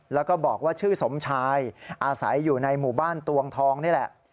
แล้วก็บอกว่าชื่อสมชายอาศัยอยู่ในหมู่บ้านตวงทองนี่แหละ